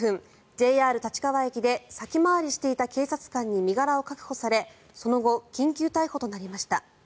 ＪＲ立川駅で先回りしていた警察官に身柄を確保されその後、緊急逮捕となりました。